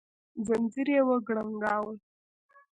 ځنځير يې وکړانګاوه